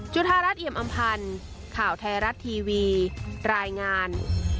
ธารัฐเอี่ยมอำพันธ์ข่าวไทยรัฐทีวีรายงาน